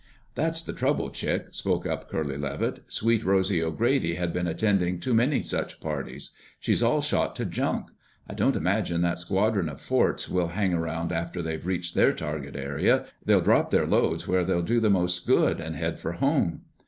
"That's the trouble, Chick," spoke up Curly Levitt. "Sweet Rosy O'Grady had been attending too many such parties. She's all shot to junk. I don't imagine that squadron of forts will hang around after they've reached their target area. They'll drop their loads where they'll do the most good, and head for home."